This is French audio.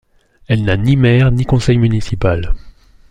Elle n'a ni maire, ni conseil municipal.